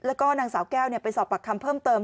แล้วก็นางสาวแก้วไปสอบปากคำเพิ่มเติม